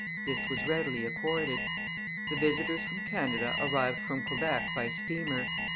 This was readily accorded. The visitors from Canada arrived from Quebec by steamer.